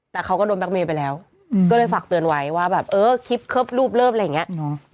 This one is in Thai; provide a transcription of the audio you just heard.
แต่เขาก็โดนแก๊เมย์ไปแล้วก็เลยฝากเตือนไว้ว่าแบบเออคลิปเคิบรูปเลิฟอะไรอย่างนี้